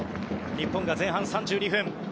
日本が前半３２分